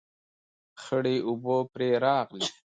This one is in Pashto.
خړې اوبه پرې راغلې